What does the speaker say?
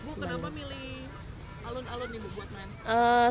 bu kenapa milih alun alun ini buat main